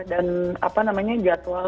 dan apa namanya jadwal